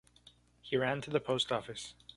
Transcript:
He ran to the post office.